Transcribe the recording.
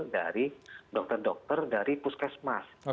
dari dokter dokter dari puskesmas